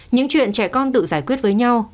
những chuyện trẻ con tự giải quyết với nhau